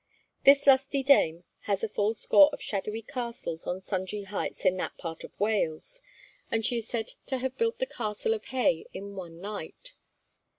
This lusty dame has a full score of shadowy castles on sundry heights in that part of Wales; and she is said to have built the castle of Hay in one night.